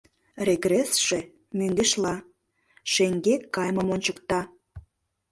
Регрессше — мӧҥгешла, шеҥгек кайымым ончыкта.